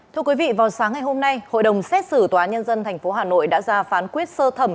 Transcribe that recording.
thưa quý vị vào sáng ngày hôm nay hội đồng xét xử tòa nhân dân tp hà nội đã ra phán quyết sơ thẩm